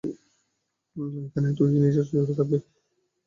এইখানেই তুই নিজের জোরে থাকবি।